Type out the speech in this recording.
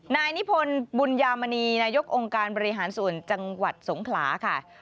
นายนิพนธ์บุญยามณีนายกองค์การบริหารส่วนจังหวัดสงขลาค่ะ